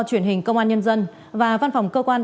truyền hình công an nhân dân và văn phòng cơ quan